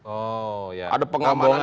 oh ya ada pengambangan